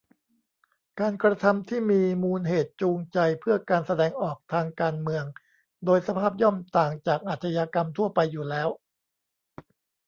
การกระทำที่มีมูลเหตุจูงใจเพื่อการแสดงออกทางการเมือง โดยสภาพย่อมต่างจากอาชญากรรมทั่วไปอยู่แล้ว